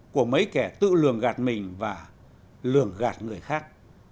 của mấy kẻ tự lường gạt mình và lường gạt người khác